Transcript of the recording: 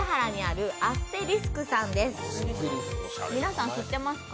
皆さん、知ってますか？